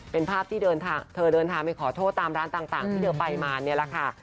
เป็นภาพที่เธอเดินทางไปขอโทษตามร้านต่างที่เธอไปมานี่แหละค่ะ